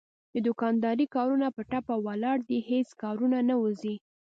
د دوکاندارۍ کارونه په ټپه ولاړ دي هېڅ کارونه نه وځي.